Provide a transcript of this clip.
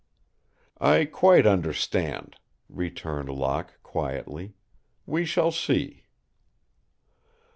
"I quite understand," returned Locke, quietly. "We shall see."